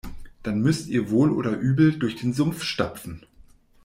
Dann müsst ihr wohl oder übel durch den Sumpf stapfen.